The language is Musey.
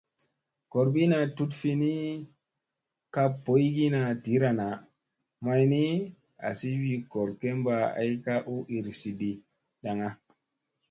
Gorbina tut fi ni ka boyogina dira naa, may ni azi wi gor kemba ay ka u iirizi ɗi daŋŋa.